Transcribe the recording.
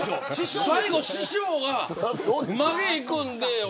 最後師匠がまげいくんで。